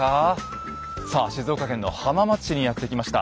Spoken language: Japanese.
さあ静岡県の浜松市にやって来ました。